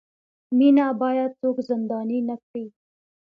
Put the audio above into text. مینه باید څوک زنداني نه کړي.